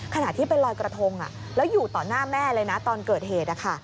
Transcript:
ขณะที่ไปลอยกระทงแล้วอยู่ต่อหน้าแม่เลยนะตอนเกิดเหตุ